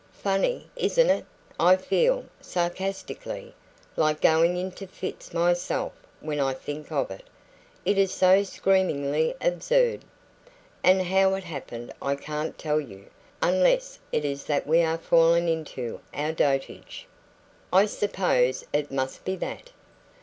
"Funny, isn't it? I feel" sarcastically "like going into fits myself when I think of it, it is so screamingly absurd. And how it happened I can't tell you, unless it is that we are fallen into our dotage. I suppose it must be that."